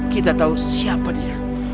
kita tahu siapa dia